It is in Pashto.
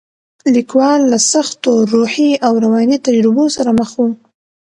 لیکوال له سختو روحي او رواني تجربو سره مخ و.